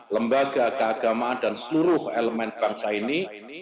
lembaga keagamaan dan seluruh elemen bangsa ini